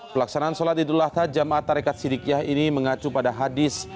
pelaksanaan sholat idul adha jamaat tarekat sidikiyah ini mengacu pada hadis